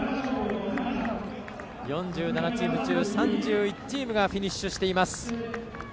４７チーム中３１チームがフィニッシュしています。